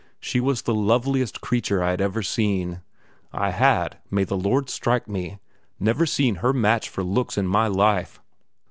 She was the loveliest creature I had ever seen; I had, may the Lord strike me, never seen her match for looks in my life!